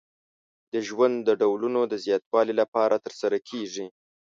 د ژوند د ډولونو د زیاتوالي لپاره ترسره کیږي.